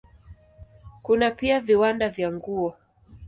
Kuna pia viwanda vya nguo.